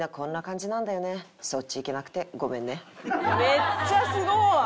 めっちゃすごい！どう？